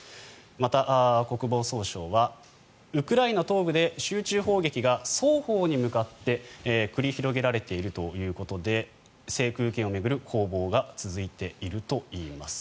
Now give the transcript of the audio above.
また、国防総省はウクライナ東部で集中砲撃が双方に向かって繰り広げられているということで制空権を巡る攻防が続いているといいます。